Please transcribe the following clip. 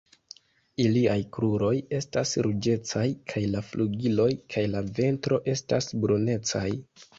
Iliaj kruroj estas ruĝecaj kaj la flugiloj kaj la ventro estas brunecaj.